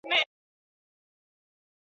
لاسي صنایع رواج لري.